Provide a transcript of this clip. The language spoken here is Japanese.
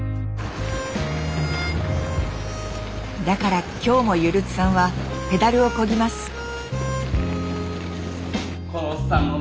だから今日もゆるつさんはペダルをこぎます。